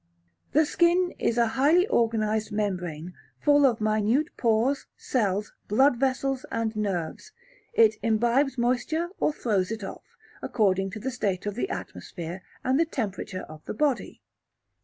The skin is a highly organized membrane, full of minute pores, cells, bloodvessels, and nerves; it imbibes moisture or throws it off, according to the state of the atmosphere and the temperature of the body.